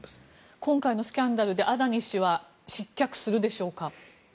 今回のスキャンダルでアダニ氏は失脚するでしょうか？